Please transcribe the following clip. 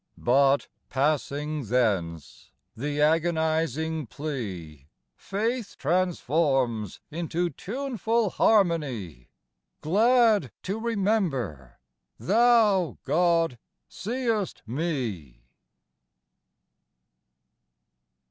But, passing thence, the agonizing plea Faith transforms into tuneful harmony, Glad to remember "Thou, God, seest me."